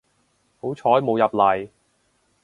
好彩冇入嚟